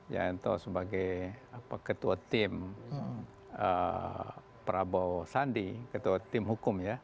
ya ento sebagai ketua tim prabowo sandi ketua tim hukum ya